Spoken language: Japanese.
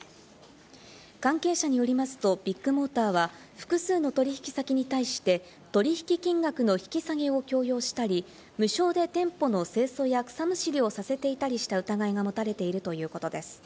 関係者によりますと、ビッグモーターは複数の取引先に対して取引金額の引き下げを強要したり、無償で店舗の清掃や草むしりをさせていたりした疑いが持たれているということです。